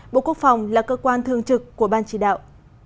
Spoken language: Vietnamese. bộ quốc phòng là cơ quan thường trực của ban chỉ đạo